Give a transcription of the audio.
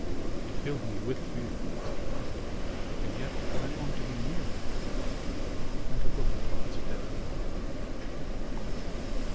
It filled me with fear, and yet I longed to be nearer to it and to look upon its deadly work.